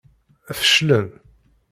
Feclen.